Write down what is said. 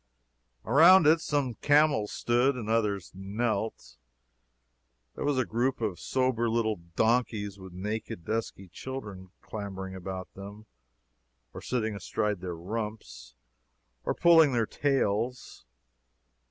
Around it some camels stood, and others knelt. There was a group of sober little donkeys with naked, dusky children clambering about them, or sitting astride their rumps, or pulling their tails.